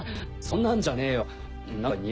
そんなんじゃねえよ。